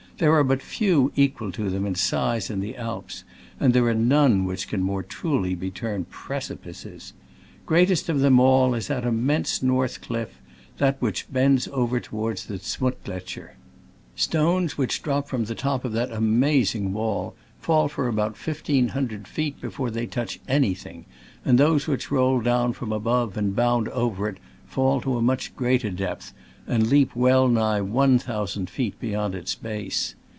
There are but few equal to them in size in the Alps, and there are none which can more truly be termed precipices. Greatest of them all is the immense north cliff, that which bends over toward the Z'muttgletscher. Stones which drop from the top of that amaz ing wall fall for about fifteen hundred feet before they touch anything, and fhose which roll down from above and Digitized by Google 64 SCRAMBLES AMONGST THE ALPS IN i86o '69. bound over it fall to a much greater depth, and leap wellnigh one thousand feet beyond its base.